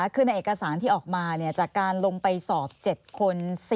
คือในเอกสารที่ออกมาจากการลงไปสอบ๗คน